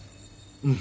うん。